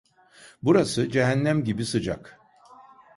Burası cehennem gibi sıcak.